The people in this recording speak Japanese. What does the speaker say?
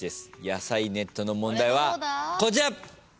野菜ネットの問題はこちら！